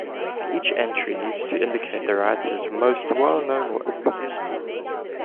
Each entry needs to indicate the writer's most well-known work.